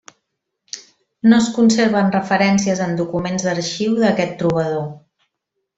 No es conserven referències en documents d'arxiu d'aquest trobador.